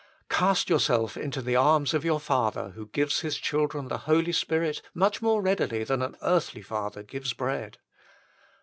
Cast yourself into the arms of your Father who gives His children the Holy Spirit much more readily than an earthly father gives bread.